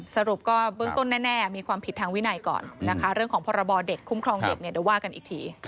สรุปก็เบื้องต้นแน่มีความผิดทางวินัยก่อนนะคะเรื่องของพรบเด็กคุ้มครองเด็กเนี่ยเดี๋ยวว่ากันอีกที